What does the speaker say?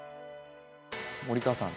森川さん